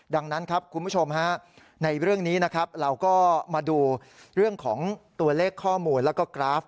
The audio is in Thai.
ดังนั้นครับคุณผู้ชมฮะในเรื่องนี้นะครับเราก็มาดูเรื่องของตัวเลขข้อมูลแล้วก็กราฟ